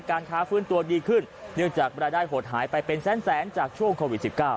การค้าฟื้นตัวดีขึ้นเนื่องจากรายได้หดหายไปเป็นแสนจากช่วงโควิด๑๙